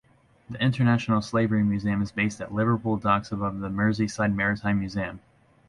The International Slavery Museum is based at Liverpool docks above the Merseyside Maritime Museum.